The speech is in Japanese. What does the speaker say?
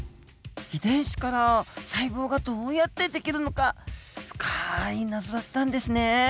遺伝子から細胞がどうやってできるのか深い謎だったんですね。